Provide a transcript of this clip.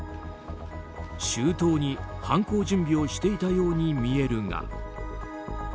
周到に犯行準備をしていたようにみえるが。